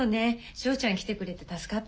翔ちゃん来てくれて助かった。